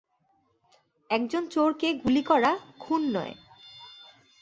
একজন চোরকে গুলি করা খুন নয়।